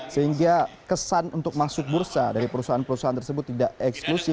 saudara saudara semua yang bergerak